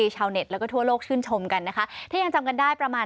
ชาวเน็ตแล้วก็ทั่วโลกชื่นชมกันนะคะถ้ายังจำกันได้ประมาณ